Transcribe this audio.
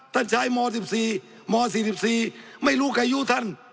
ท่านใช้ม๑๔ม๔๔ไม่รู้ใครอายุท่าน